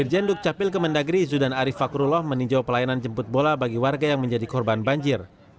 irjen dukcapil kemendagri zudan arief fakrullah meninjau pelayanan jemput bola bagi warga yang menjadi korban banjir